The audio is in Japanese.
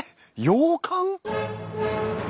洋館！？